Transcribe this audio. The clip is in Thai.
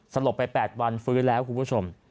สลบไป๘วันฟื้นแล้วคุณผู้ชม